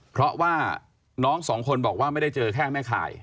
เพราะว่าน้องสองคนบอกว่าไม่ได้เจอแค่แม่ข่าย